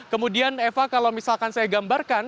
kemudian eva kalau misalkan saya gambarkan